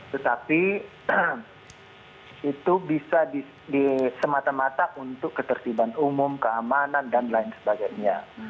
tetapi itu bisa disematamata untuk ketertiban umum keamanan dan lain sebagainya